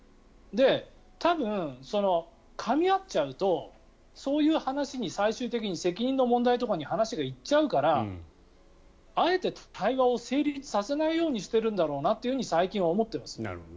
多分、かみ合っちゃうとそういう話に、最終的に責任の問題とかに話が行っちゃうからあえて対話を成立させないようにしてるんだろうなと最近は思っています。